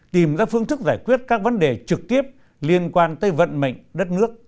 tìm ra phương thức giải quyết các vấn đề trực tiếp liên quan tới vận mệnh đất nước